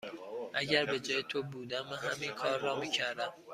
اگر به جای تو بودم، من همین کار را می کردم.